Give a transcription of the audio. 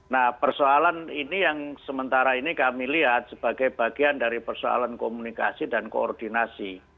nah persoalan ini yang sementara ini kami lihat sebagai bagian dari persoalan komunikasi dan koordinasi